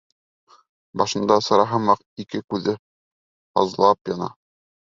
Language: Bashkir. Башында сыра һымаҡ ике күҙе һазлап яна.